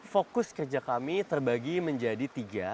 fokus kerja kami terbagi menjadi tiga